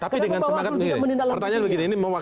kenapa pak waslu tidak menindak lantai